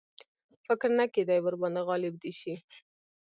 فکر نه کېدی ورباندي غالب دي شي.